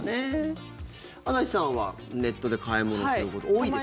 朝日さんはネットで買い物すること多いですか？